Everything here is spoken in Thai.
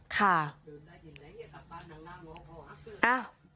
ค่ะ